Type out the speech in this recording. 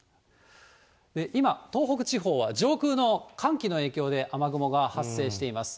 今、東北地方は上空の寒気の影響で雨雲が発生しています。